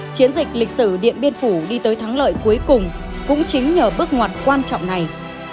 chiến dịch lịch sử điện biên phủ đi tới thắng lợi cuối cùng cũng chính nhờ bước ngoặt quan trọng này